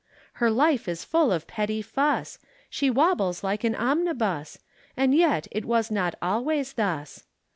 Her life is full of petty fuss, She wobbles like an omnibus, And yet it was not always thus.